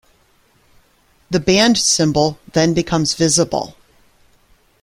The band symbol then becomes visible.